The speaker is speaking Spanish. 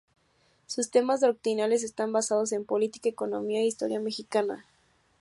Sus temas doctrinales están basados en política, economía e historia mexicana.